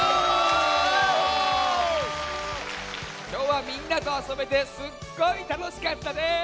きょうはみんなとあそべてすっごいたのしかったです！